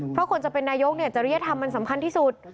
เพราะคนจะเป็นนายกจริยธรรมมันสำคัญที่สุด